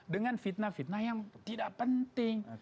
dengan fitnah fitnah yang tidak penting